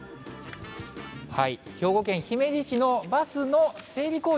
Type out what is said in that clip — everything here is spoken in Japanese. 兵庫県姫路市のバスの整備